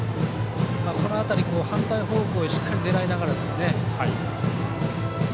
この辺り、反対方向にしっかり狙いながらですね。